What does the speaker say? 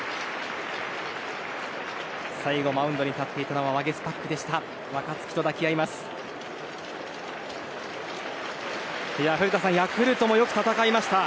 最後、マウンドに立っていたのはワゲスパックでした。